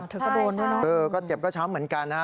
เธอก็โดนด้วยนะเจ็บก็ช้ำเหมือนกันนะ